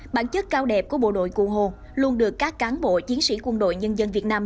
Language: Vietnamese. bản chất cao đẹp của bộ đội cụ hồ luôn được các cán bộ chiến sĩ quân đội nhân dân việt nam